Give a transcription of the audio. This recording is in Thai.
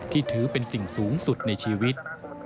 ที่ถือเป็นสิ่งสูงสุดในชีวิต